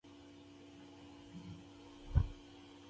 د صفوي پاچا د دسیسو له امله اسیر شو او اصفهان ته ولېږدول شو.